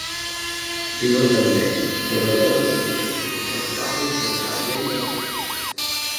Diuen també: Treballem per bastir institucions pròpies radicalment democràtiques.